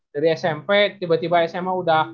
dari smp tiba tiba sma udah